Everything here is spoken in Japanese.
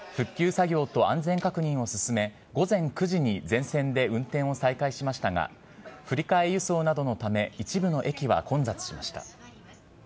復旧作業と安全確認を進め、午前９時に全線で運転を再開しましたが、振り替え輸送などのため、一部の駅は混雑しました。